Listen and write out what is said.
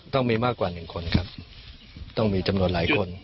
ต้องมีมากกว่า๑คนครับต้องมีจำนวนหลายคน